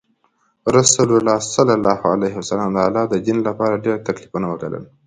رسول الله د الله د دین لپاره ډیر تکلیفونه وګالل.